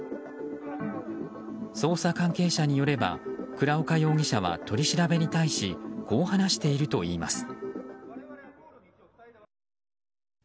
捜査関係者によれば倉岡容疑者は取り調べに対しこう話しているといいます。